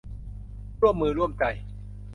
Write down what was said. ร่วมมือร่วมใจ